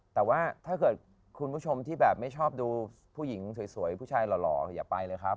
แต่ว่าถ้าเกิดคุณผู้ชมที่แบบไม่ชอบดูผู้หญิงสวยผู้ชายหล่ออย่าไปเลยครับ